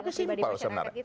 tapi simpel sebenarnya